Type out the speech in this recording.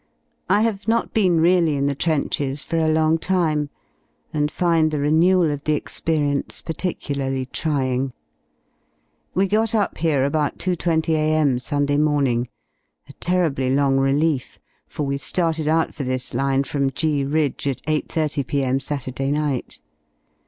I have not been really in the trenches for a long time, and find the renewal of the experience particularly trying. We got up here about 2.20 a.m. Sunday morning — ^a terribly long relief, for we ^rted out for this line from G Ridge at 8.30 p.m. Saturday night.